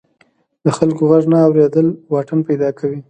د خلکو غږ نه اوریدل واټن پیدا کوي.